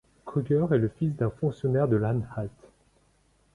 Krüger est le fils d’un fonctionnaire de l'Anhalt.